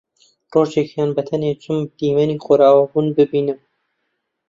ڕۆژێکیان بەتەنێ چووم دیمەنی خۆرئاوابوون ببینم